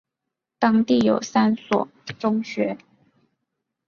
当地有三所中学。